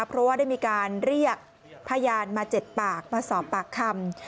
เพราะว่าได้มีการเรียกพยานมา๗ปากมาสอบปากคำ